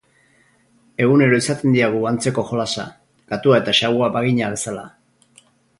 Egunero izaten diagu antzeko jolasa, katua eta xagua bagina bezala.